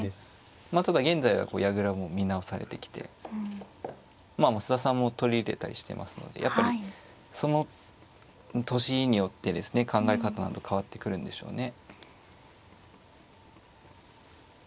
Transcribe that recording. まあただ現在は矢倉も見直されてきてまあ増田さんも取り入れたりしてますのでやっぱりその年によってですね考え方など変わってくるんでしょうね。